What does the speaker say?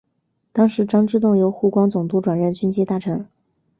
当时张之洞由湖广总督转任军机大臣。